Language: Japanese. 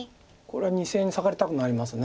これは２線にサガりたくなります